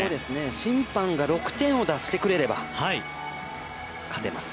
審判が６点を出してくれれば勝てます。